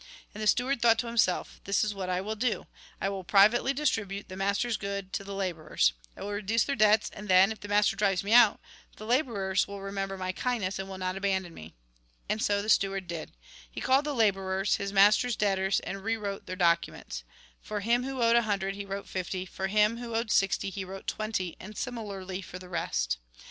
And the steward thought to himself :' This is what I will do : I will privately distribute the master's goods to the labourers ; I will reduce their debts, and then, if the master drives me out, the labourers will remember my kindness, and will not abandon me.' And so the steward did. He called the labourers, his master's debtors, and re wrote their documents. For him who owed a Lk. xiv. 18. THE FALSE LIFE 83 Lk. x^T, R. 16. 16. 17. hundred he wrote fifty ; for him who owed sixty, he wrote twenty, and similarly for the rest.